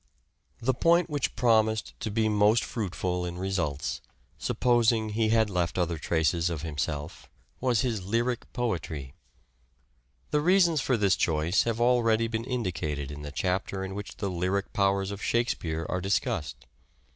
The point which promised to be most fruitful in results, supposing he had left other traces of himself, was his lyric poetry. The reasons for this choice have already been indicated in the chapter in which the lyric powers of Shakespeare are discussed.